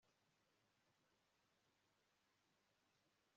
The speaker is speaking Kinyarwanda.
biringiye ukuboko kwa yehova amanike akaboko